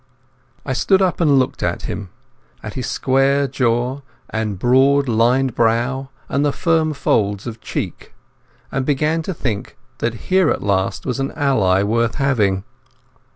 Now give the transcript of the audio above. I stood up and looked at him, at the square, cleft jaw and broad, lined brow and the firm folds of cheek, and began to think that here at last was an ally worth having.